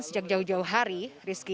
sejak jauh jauh hari rizky